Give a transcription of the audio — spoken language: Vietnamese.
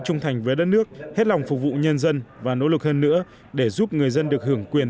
trung thành với đất nước hết lòng phục vụ nhân dân và nỗ lực hơn nữa để giúp người dân được hưởng quyền